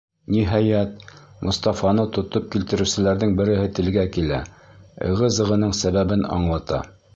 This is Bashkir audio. Ниһайәт, Мостафаны тотоп килтереүселәрҙең береһе телгә килә, ығы-зығының сәбәбен аңлата.